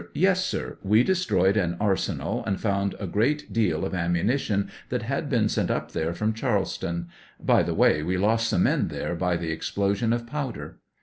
Yes, sir; we destroyed an arsenal and found a groat deal of ammunition that had been sent up there from Charleston ; by the way, we lost some men there by the explosion of powder.